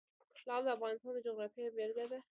لعل د افغانستان د جغرافیې بېلګه ده.